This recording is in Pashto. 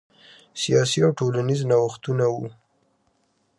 سیاسي او ټولنیز نوښتونه وو.